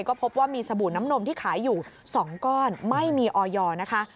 ก็พบว่ามีสบู่น้ำนมที่ขายอยู่๒ก้อนไม่มีออยอร์นะคะ